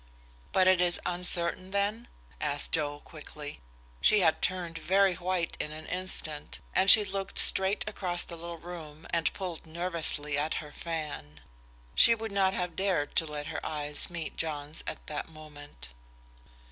"But it is uncertain, then?" asked Joe, quickly. She had turned very white in an instant, and she looked straight across the little room and pulled nervously at her fan. She would not have dared to let her eyes meet John's at that moment.